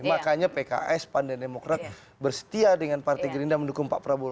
makanya pks pan dan demokrat bersetia dengan partai gerindra mendukung pak prabowo